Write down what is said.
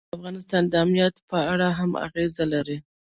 سیندونه د افغانستان د امنیت په اړه هم اغېز لري.